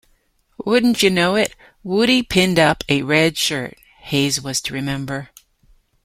"Wouldn't you know it, Woody pinned up a red shirt," Hays was to remember.